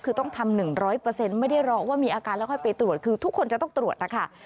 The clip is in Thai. คือต้องทำ๑๐๐ไม่ได้รอว่ามีอาการแล้วค่อยไปตรวจคือทุกคนจะต้องตรวจนะคะ